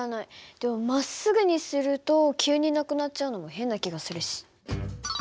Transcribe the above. でもまっすぐにすると急になくなっちゃうのも変な気がするし。